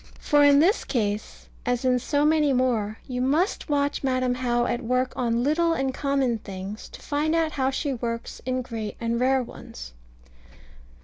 For in this case, as in so many more, you must watch Madam How at work on little and common things, to find out how she works in great and rare ones.